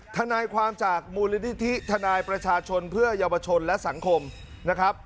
ทนายความจากมูลนิธิทนายประชาชนเพื่อเยาวชนและสังคมนะครับ